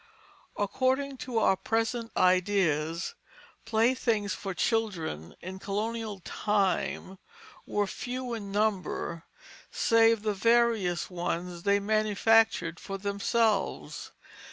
According to our present ideas, playthings for children in colonial time were few in number, save the various ones they manufactured for themselves.